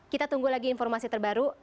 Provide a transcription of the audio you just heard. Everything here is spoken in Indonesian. kita tunggu lagi informasi terbaru